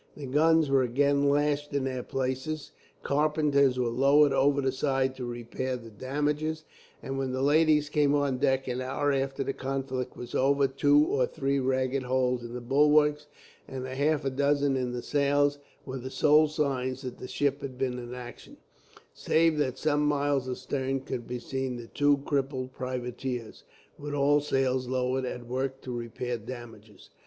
The guns were again lashed in their places, carpenters were lowered over the side to repair damages; and when the ladies came on deck an hour after the conflict was over, two or three ragged holes in the bulwarks, and a half dozen in the sails, were the sole signs that the ship had been in action; save that some miles astern could be seen the two crippled privateers, with all sails lowered, at work to repair damages.